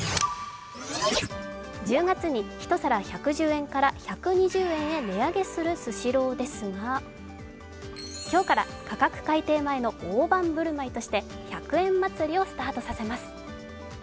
１０月に１皿１１０円から１２０円へ値上げするスシローですが今日から価格改定前の大盤振る舞いとして、１００円祭をスタートさせます。